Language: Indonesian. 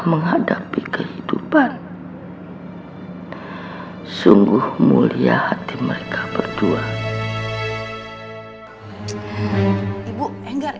pernah makin pake uang uang nggak mau belanja patung